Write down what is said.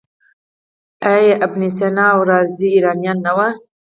آیا ابن سینا او رازي ایرانیان نه وو؟